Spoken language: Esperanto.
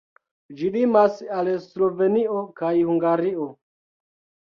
Ĝi limas al Slovenio kaj Hungario.